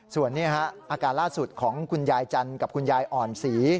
ส่วนนี้อาการล่าสุดของคุณยายจันทร์กับคุณยายอ่อนศรี